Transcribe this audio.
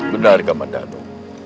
guru nargaman dano